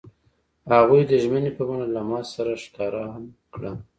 هغوی د ژمنې په بڼه لمحه سره ښکاره هم کړه.